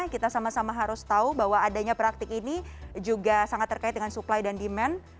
kita sama sama harus tahu bahwa adanya praktik ini juga sangat terkait dengan supply dan demand